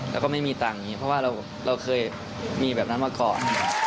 แล้วก็ไม่มีตังค์อย่างนี้เพราะว่าเราเคยมีแบบนั้นมาก่อน